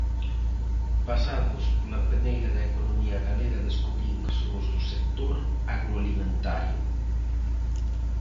Pasados pola peneira da economía galega descubrín que son os do sector agroalimentario.